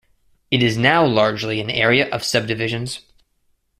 It is now largely an area of subdivisions.